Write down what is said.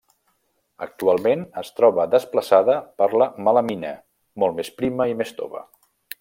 Actualment es troba desplaçada per la melamina, molt més prima i més tova.